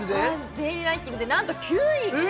デイリーランキングでなんと９位！え！